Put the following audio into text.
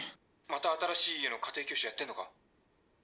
また新しい家の家庭教師やってんのか？